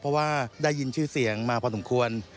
เพราะว่าได้ยินชื่อเสียงมาพอสมควร